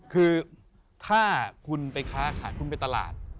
คือถ้าคุณไปค้าขายคุณไปตลาด